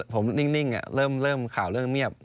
ผมนิ่งเริ่มข่าวเริ่มเงียบ